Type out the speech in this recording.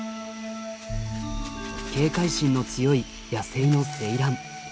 警戒心の強い野生のセイラン。